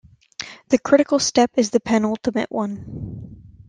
The critical step is the penultimate one.